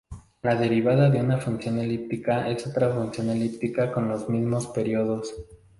La derivada de una función elíptica es otra función elíptica con los mismos periodos.